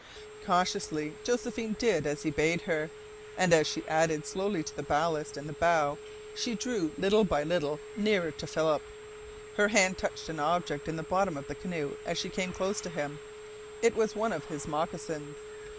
Cautiously Josephine did as he bade her, and as she added slowly to the ballast in the bow she drew little by little nearer to Philip, Her hand touched an object in the bottom of the canoe as she came close to him. It was one of his moccasins.